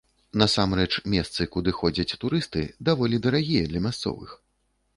Насамрэч, месцы, куды ходзяць турысты, даволі дарагія для мясцовых.